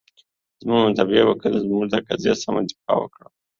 زمونږ مدافع وکیل، زمونږ د قضیې سمه دفاع وکړه.